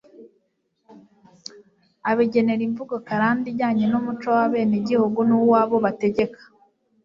bayigenera imvugo karande ijyanye n'umuco w'abenegihugu n'uw'abo bategeka.